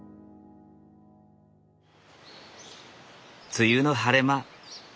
梅雨の晴れ間。